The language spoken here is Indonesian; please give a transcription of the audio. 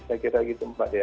saya kira gitu mbak ya